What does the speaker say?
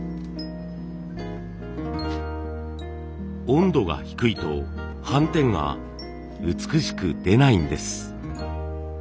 温度が低いと斑点が美しく出ないんです。